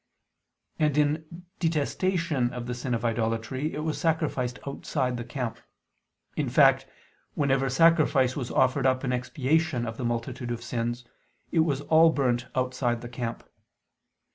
And in detestation of the sin of idolatry it was sacrificed outside the camp; in fact, whenever sacrifice was offered up in expiation of the multitude of sins, it was all burnt outside the camp.